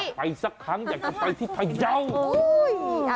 อยากไปสักครั้งอยากจะไปที่ไทยเจ้า